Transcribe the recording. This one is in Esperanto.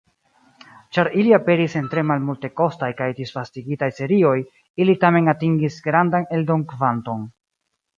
Ĉar ili aperis en tre malmultekostaj kaj disvastigitaj serioj, ili tamen atingis grandan eldon-kvanton.